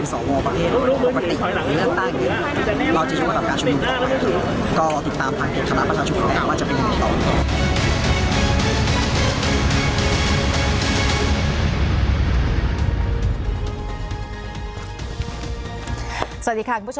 สหรับสำหรับสำหรับส